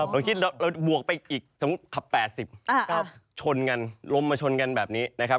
เราคิดเราบวกไปอีกขับ๘๐ก็ชนกันลมมาชนกันแบบนี้นะครับ